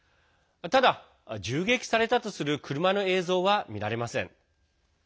ただ、銃撃されたとする車の映像は見られません。